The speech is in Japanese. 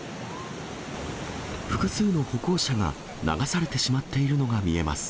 複数の歩行者が流されてしまっているのが見えます。